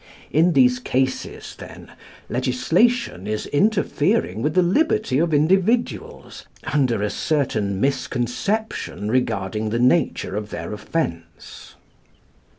In these cases, then, legislation is interfering with the liberty of individuals, under a certain misconception regarding the nature of their offence.